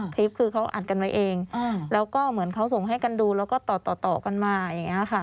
คลิปคือเขาอัดกันไว้เองแล้วก็เหมือนเขาส่งให้กันดูแล้วก็ต่อต่อกันมาอย่างนี้ค่ะ